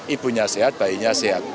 ibunya sehat bayinya sehat